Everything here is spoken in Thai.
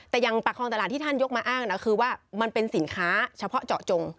แต่อย่างปากคลองตลาดที่ท่านยกมาอ้างนะคือว่ามันเป็นสินค้าเฉพาะเจาะจง